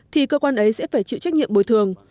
thì cơ quan ấy sẽ phải chịu trách nhiệm bồi thường